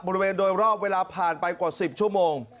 บริเวณโดยรอบเวลาผ่านไปกว่า๑๐ชั่วโมง